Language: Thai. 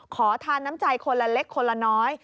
ขอทานน้ำใจคนละเล็กคนละน้อย